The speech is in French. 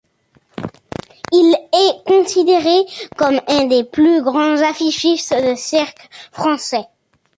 Il est considéré comme un des plus grands affichistes de cirque français.